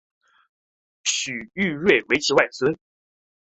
许育瑞为其外孙。